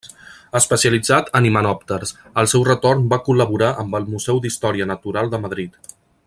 Especialitzat en himenòpters, al seu retorn va col·laborar amb el Museu d'Història Natural de Madrid.